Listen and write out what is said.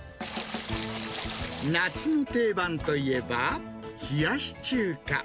夏の定番といえば、冷やし中華。